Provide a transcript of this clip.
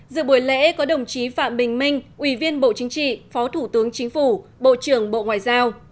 dự buổi lễ có đồng chí phạm bình minh ủy viên bộ chính trị phó thủ tướng chính phủ bộ trưởng bộ ngoại giao